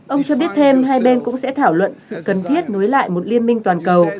ông cho biết thêm hai bên cũng sẽ thảo luận sự cần thiết nối lại một liên minh toàn cầu